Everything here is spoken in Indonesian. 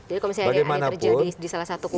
jadi kalau misalnya ada yang terjilat di salah satu kubu